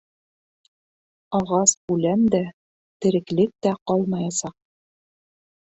Ағас-үлән дә, тереклек тә ҡалмаясаҡ!